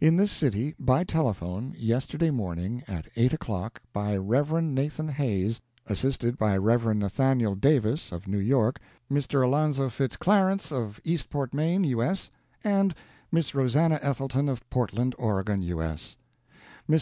In this city, by telephone, yesterday morning, at eight o'clock, by Rev. Nathan Hays, assisted by Rev. Nathaniel Davis, of New York, Mr. Alonzo Fitz Clarence, of Eastport, Maine, U. S., and Miss Rosannah Ethelton, of Portland, Oregon, U. S. Mrs.